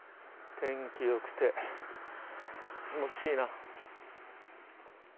天気よくて気持ちいいな。